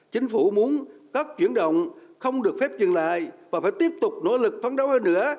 chính phủ muốn các chuyển động không được phép dừng lại và phải tiếp tục nỗ lực phán đấu hơn nữa